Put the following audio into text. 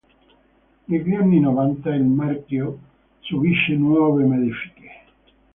Negli anni novanta il marchio subisce nuove modifiche.